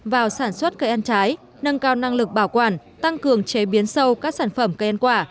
vào sản xuất cây ăn trái nâng cao năng lực bảo quản tăng cường chế biến sâu các sản phẩm cây ăn quả